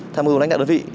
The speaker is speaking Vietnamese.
tham mưu đánh đạo đơn vị